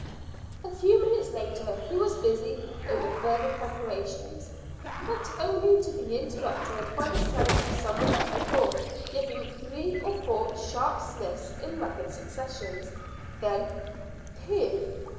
A few minutes later he was busy over further preparations, but only to be interrupted by the sound of some one at the door giving three or four sharp sniffs in rapid succession. Then "Pig!"